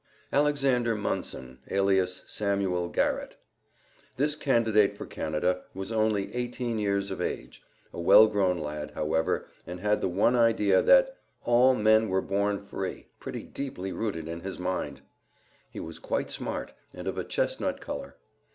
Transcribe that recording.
Alexander Munson, alias Samuel Garrett. This candidate for Canada was only eighteen years of age; a well grown lad, however, and had the one idea that "all men were born free" pretty deeply rooted in his mind. He was quite smart, and of a chestnut color.